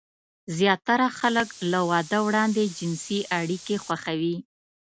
زياتره خلک له واده وړاندې جنسي اړيکې خوښوي.